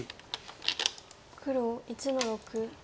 黒１の六。